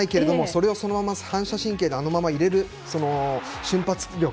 それをそのまま反射神経であのまま入れるその瞬発力